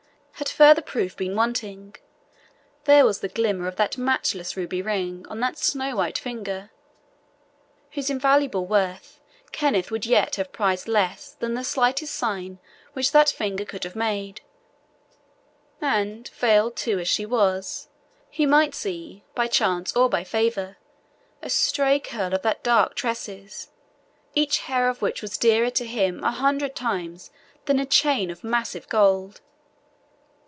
Had further proof been wanting, there was the glimmer of that matchless ruby ring on that snow white finger, whose invaluable worth Kenneth would yet have prized less than the slightest sign which that finger could have made; and, veiled too, as she was, he might see, by chance or by favour, a stray curl of the dark tresses, each hair of which was dearer to him a hundred times than a chain of massive gold.